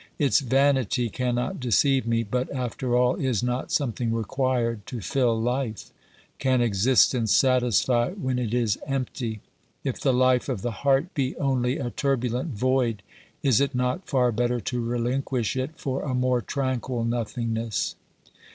Its vanity cannot deceive me, but after all, is not something required to fill life ? Can exist ence satisfy when it is empty ? If the life of the heart be only a turbulent void, is it not far better to relinquish it for a more tranquil nothingness